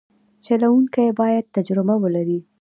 چلوونکی باید تجربه ولري.